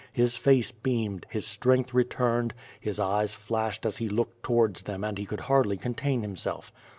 His face beamed, his strength returned, his eyes flashed as he looked towards them and he could hardly con tain himself.